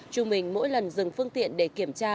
chúng mình mỗi lần dừng phương tiện để kiểm tra